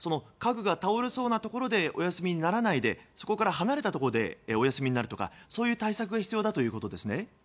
家具が倒れそうなところでお休みにならないでそこから離れたところでお休みになるとかそういう対策が必要ということですね。